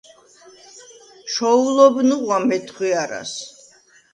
ჩოულობ ნუღვა მეთხვიარას: